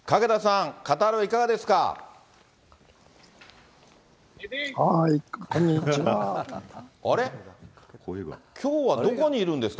懸田さん、カタールいかがでしょうか？